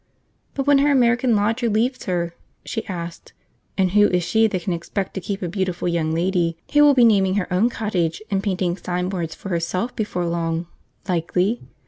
But when her American lodger leaves her, she asks, and who is she that can expect to keep a beautiful young lady who will be naming her own cottage and painting signboards for herself before long, likely?